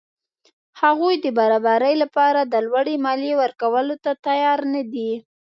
هغوی د برابرۍ له پاره د لوړې مالیې ورکولو ته تیار نه دي.